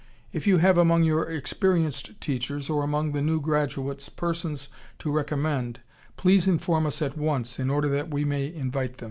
If you have among your experienced teachers or among the new graduates persons to recommend, please inform us at once in order that we may invite them.